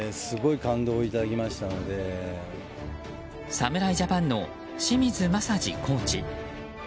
侍ジャパンの清水雅治コーチ。